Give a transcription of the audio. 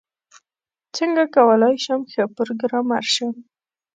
څنګه کولاي شم ښه پروګرامر شم؟